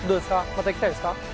また行きたいです。